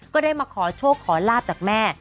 ก็ได้มาขอโชคขอลาบจากแม่